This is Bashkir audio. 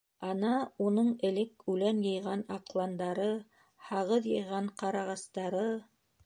Ана, уның элек үлән йыйған аҡландары, һағыҙ йыйған ҡарағастары.